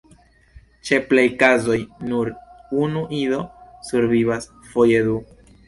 Ĉe plej kazoj nur unu ido survivas, foje du.